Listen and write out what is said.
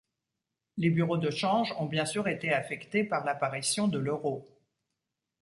Les bureaux de change ont bien sûr été affectés par l'apparition de l'euro.